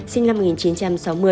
sinh năm một nghìn chín trăm sáu mươi